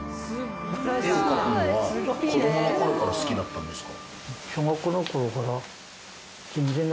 絵を描くのは子どもの頃から好きだったんですか？